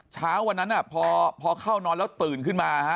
เช้าวันนั้นพอเข้านอนแล้วตื่นขึ้นมา